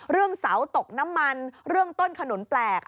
เรื่องเสาตกน้ำมันเรื่องต้นขนุนแปลก